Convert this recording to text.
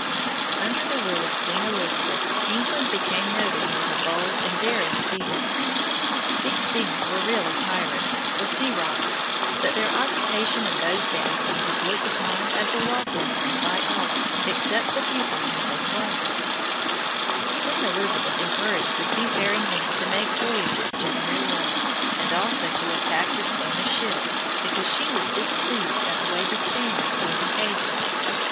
Under the rule of Queen Elizabeth England became noted for her bold and daring seamen. These seamen were really pirates, or sea robbers; but their occupation in those days was looked upon as a lawful one by all except the people whom they plundered. [Illustration: Sir Francis Drake.] Queen Elizabeth encouraged the seafaring men to make voyages to the New World, and also to attack the Spanish ships, because she was displeased at the way the Spaniards were behaving.